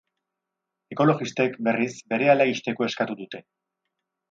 Ekologistek, berriz, berehala ixteko eskatu dute.